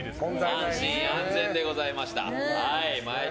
安心安全でございました。